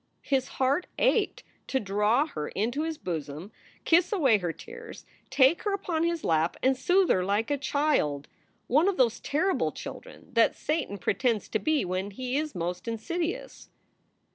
His heart ached to draw her into his bosom, kiss away her tears, take her upon his lap, and soothe her like a child, one of those terrible children that Satan pretends to be when he is most insidious.